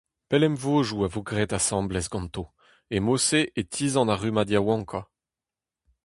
Pellemvodoù a vo graet asambles ganto : E-mod-se e tizhan ar rummad yaouankañ.